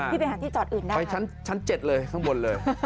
ที่เป็นทางที่จอดอื่นนะครับโอ้โฮไปชั้น๗เลยข้างบนเลย